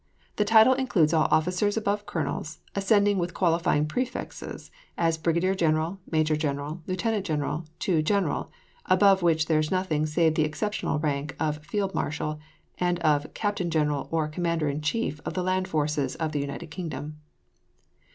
The title includes all officers above colonels, ascending with qualifying prefixes, as brigadier general, major general, lieutenant general, to general, above which is nothing save the exceptional rank of field marshal and of captain general or commander in chief of the land forces of the United Kingdom.